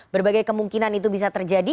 berbagai kemungkinan itu bisa terjadi